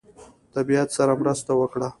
طبیعت سره مرسته وکړه.